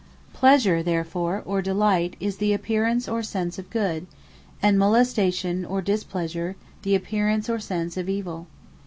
Pleasure therefore, (or Delight,) is the apparence, or sense of Good; and Molestation or Displeasure, the apparence, or sense of evill.